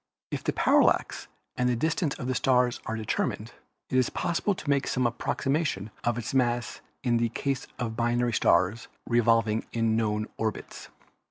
If the parallax and distance of a star are determined, it is possible to make some approximation of its mass in the case of binary stars revolving in known orbits.